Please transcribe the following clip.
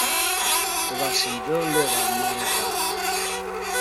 Wwḍeɣ sendiḍelli ɣer Narita.